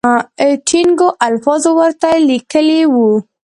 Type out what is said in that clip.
ټینګو الفاظو ورته لیکلي وو.